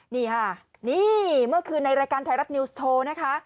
นี่ค่ะนี่เมื่อคืนในรายการไทยรัฐนิวส์โชว์นะคะ